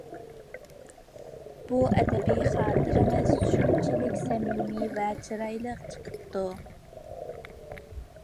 بۇ ئەدەبىي خاتىرىڭىز شۇنچىلىك سەمىمىي ۋە چىرايلىق چىقىپتۇ.